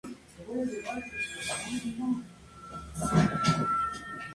En Java se encontraron hachas de bronce con cola de golondrina.